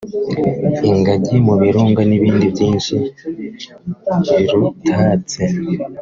ingagi mu Birunga n’ibindi byinshi birutatse